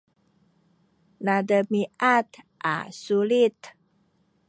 nademiad a sulit